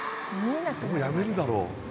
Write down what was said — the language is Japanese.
もうやめるだろ。